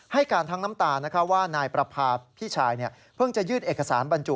ให้การทั้งน้ำตาว่านายประพาพี่ชายเพิ่งจะยื่นเอกสารบรรจุ